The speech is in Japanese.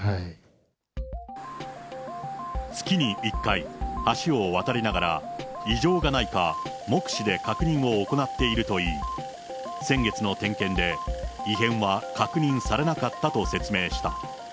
月に１回、橋を渡りながら異常がないか目視で確認を行っているといい、先月の点検で異変は確認されなかったと説明した。